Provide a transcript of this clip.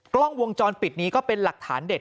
กล้องวงจรปิดนี้ก็เป็นหลักฐานเด็ด